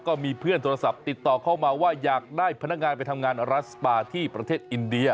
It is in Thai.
ก็มีเพื่อนโทรศัพท์ติดต่อเข้ามาว่าอยากได้พนักงานไปทำงานรัฐสปาที่ประเทศอินเดีย